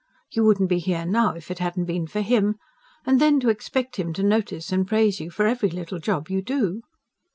You wouldn't be here now, if it hadn't been for him. And then to expect him to notice and praise you for every little job you do!"